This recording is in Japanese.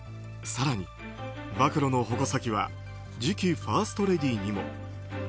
更に暴露の矛先は次期ファーストレディーにも。